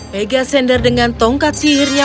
pegasender dengan tongkat sihirnya